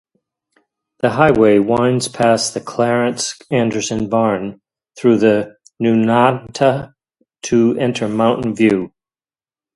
The highway winds past the Clarence Anderson Barn through Newnata to enter Mountain View.